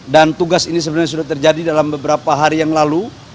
dan tugas ini sebenarnya sudah terjadi dalam beberapa hari yang lalu